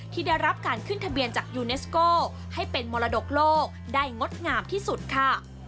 ที่ได้รับการขึ้นทะเบียนจากยูเนสโก้ให้เป็นมรดกโลกได้งดงามที่สุดค่ะ